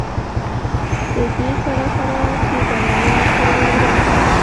د دې سره سره چې زنانه ټوله ورځ